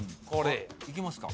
・いきますか？